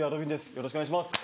よろしくお願いします。